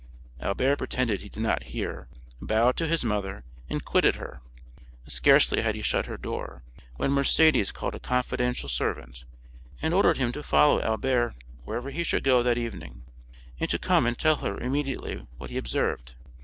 Albert pretended he did not hear, bowed to his mother, and quitted her. Scarcely had he shut her door, when Mercédès called a confidential servant, and ordered him to follow Albert wherever he should go that evening, and to come and tell her immediately what he observed.